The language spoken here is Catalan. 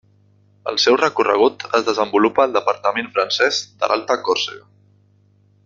El seu recorregut es desenvolupa al departament francès de l'Alta Còrsega.